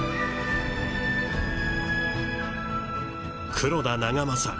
黒田長政